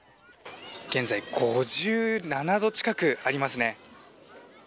現在、５７度近くありますね。